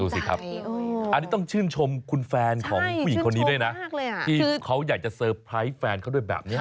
สิครับอันนี้ต้องชื่นชมคุณแฟนของผู้หญิงคนนี้ด้วยนะที่เขาอยากจะเซอร์ไพรส์แฟนเขาด้วยแบบนี้